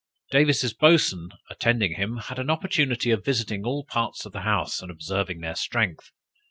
Davis's boatswain attending him, had an opportunity of visiting all parts of the house, and observing their strength.